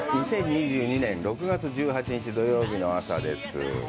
２０２２年６月１８日、土曜日の朝です。